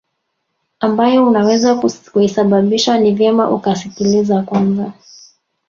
ambayo unaweza kuisababisha ni vyema ukasikiliza Kwanza